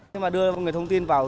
khi mà đưa người thông tin vào